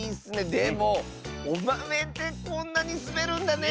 でもおまめってこんなにすべるんだね！